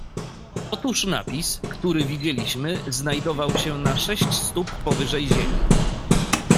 "Otóż napis, który widzieliśmy, znajdował się na sześć stóp powyżej ziemi."